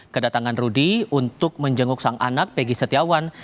kedatangan rudy untuk menjenguk sang anak peggy setiawan